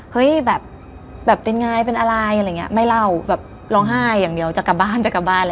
ปกป้องเราอยู่